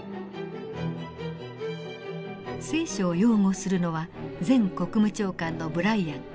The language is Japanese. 「聖書」を擁護するのは前国務長官のブライアン。